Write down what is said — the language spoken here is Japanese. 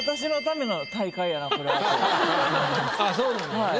そうなんですね。